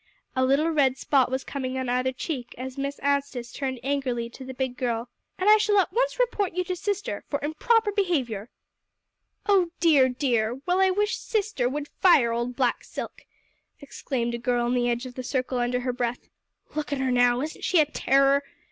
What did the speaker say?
A little red spot was coming on either cheek as Miss Anstice turned angrily to the big girl. "And I shall at once report you to sister, for improper behavior." "Oh dear, dear! Well, I wish 'sister' would fire old black silk," exclaimed a girl on the edge of the circle under her breath. "Look at her now. Isn't she a terror!"